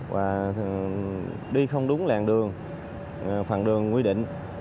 và đi không đúng làng đường phần đường quy định